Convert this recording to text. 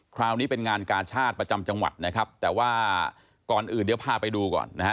คราวนี้เป็นงานกาชาติประจำจังหวัดนะครับแต่ว่าก่อนอื่นเดี๋ยวพาไปดูก่อนนะฮะ